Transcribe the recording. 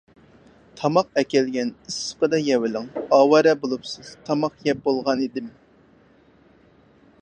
تاماق ئەكەلگەن، ئىسسىقىدا يەۋېلىڭ، ئاۋارە بولۇپسىز، تاماق يەپ بولغان ئىدىم.